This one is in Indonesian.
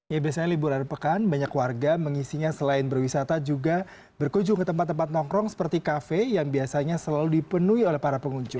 ya biasanya liburan pekan banyak warga mengisinya selain berwisata juga berkunjung ke tempat tempat nongkrong seperti kafe yang biasanya selalu dipenuhi oleh para pengunjung